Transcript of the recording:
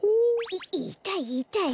いいたいいたい。